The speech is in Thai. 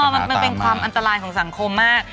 มันเป็นความอันตรายของสังคมมาก